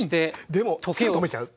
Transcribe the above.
でもすぐ止めちゃう。